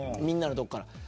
みんなのとこから。